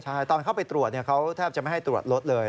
ใช่ตอนเข้าไปตรวจเขาแทบจะไม่ให้ตรวจรถเลย